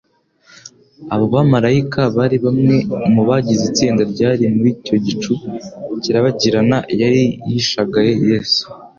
Abo bamaraika bari bamwe mu bagize itsinda ryari muri icyo gicu kirabagirana yari rishagaye Yesu